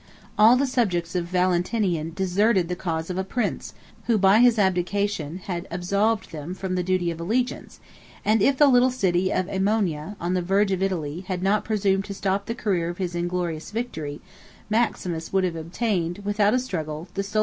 All the subjects of Valentinian deserted the cause of a prince, who, by his abdication, had absolved them from the duty of allegiance; and if the little city of Aemona, on the verge of Italy, had not presumed to stop the career of his inglorious victory, Maximus would have obtained, without a struggle, the sole possession of the Western empire.